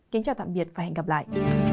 kính chào tạm biệt và hẹn gặp lại